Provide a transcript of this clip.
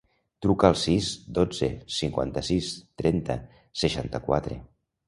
Truca al sis, dotze, cinquanta-sis, trenta, seixanta-quatre.